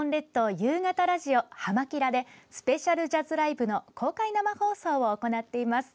夕方ラジオ「はま☆キラ！」でスペシャルジャズライブの公開生放送を行っています。